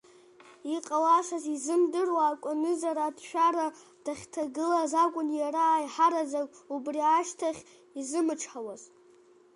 Иҟалашаз изымдыруа, акәанызанра аҭшәара дахьҭагылаз акәын иара аиҳараӡак убри ашьҭахь изымчҳауаз.